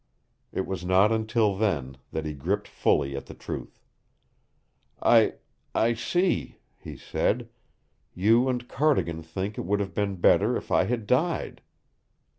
It was not until then that he gripped fully at the truth. "I I see," he said. "You and Cardigan think it would have been better if I had died!"